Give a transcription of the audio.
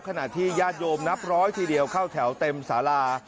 ขณะที่ญาติโยมนับร้อยทีเดียวเข้าแถวเต็มสารา